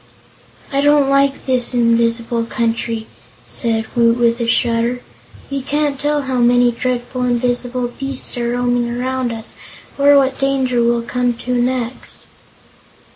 "I don't like this invisible country," said Woot with a shudder. "We can't tell how many dreadful, invisible beasts are roaming around us, or what danger we'll come to next."